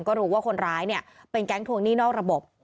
ก็รู้ว่าคนร้ายเนี่ยเป็นแก๊งทวงหนี้นอกระบบ